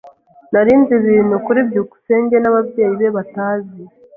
Nari nzi ibintu kuri byukusenge n'ababyeyi be batabizi.